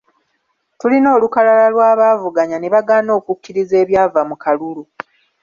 Tulina olukalala lw'abaavuganya ne bagaana okukkiriza ebyava mu kalulu